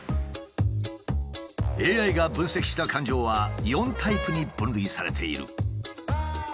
ＡＩが分析した感情は４タイプに分類されている。